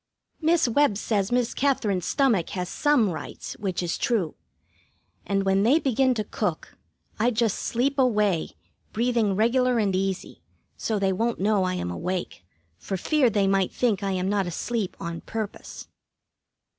Miss Webb says Miss Katherine's stomach has some rights, which is true; and when they begin to cook, I just sleep away, breathing regular and easy, so they won't know I am awake, for fear they might think I am not asleep on purpose.